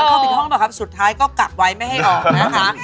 เข้าไปท่องหรือเปล่าครับสุดท้ายก็กักไว้ไม่ให้ออกนะคะ